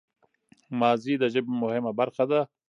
ماضي د ژبي مهمه برخه ده.